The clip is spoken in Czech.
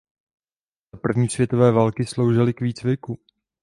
Za první světové války sloužily k výcviku.